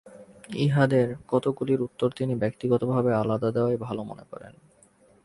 ইহাদের কতকগুলির উত্তর তিনি ব্যক্তিগতভাবে আলাদা দেওয়াই ভাল মনে করেন।